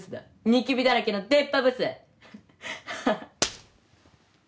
ニキビだらけの出っ歯ブス。